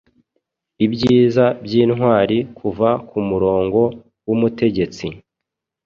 Ibyiza byintwari kuva kumurongo wumutegetsi